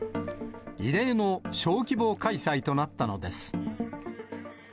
異例の小規模開催となったのです。